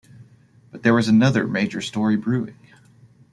But there was another major story brewing.